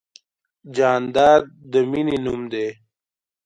جانداد د مینې نوم دی.